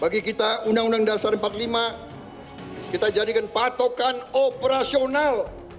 bagi kita undang undang dasar empat puluh lima kita jadikan patokan operasional